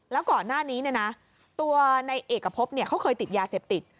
แล้วก่อนหน้านี้ตัวในเอกพบเขาเคยติดยาเสพติด